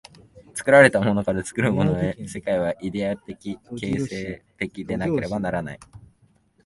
作られたものから作るものへと、世界はイデヤ的形成的でなければならない。